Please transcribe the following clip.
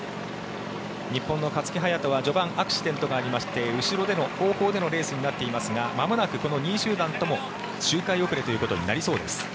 日本の勝木隼人は序盤アクシデントがありまして後ろでの後方でのレースとなっていますがまもなくこの２位集団とも周回遅れということになりそうです。